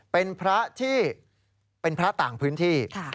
เป็นพระที่เป็นพระต่างพื้นที่